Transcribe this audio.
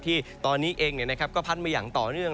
ที่ตอนนี้เองก็พัดมาอย่างต่อเนื่อง